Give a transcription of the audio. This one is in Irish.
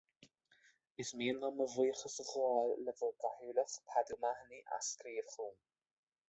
Is mian liom mo bhuíochas a ghabháil le bhur gCathaoirleach, Paddy O'Mahony, as scríobh chugam